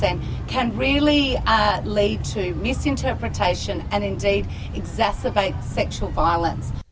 bisa menyebabkan penerimaan dan menyebabkan kegagalan seksual